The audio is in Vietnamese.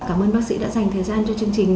cảm ơn bác sĩ đã dành thời gian cho chương trình